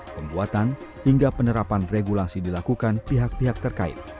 pembuatan hingga penerapan regulasi dilakukan pihak pihak terkait